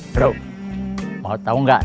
bro mau tau gak